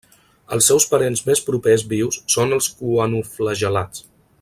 Els seus parents més propers vius són els coanoflagel·lats.